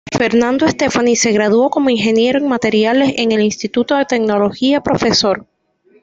Fernando Stefani se graduó como Ingeniero en Materiales en el Instituto de Tecnología Prof.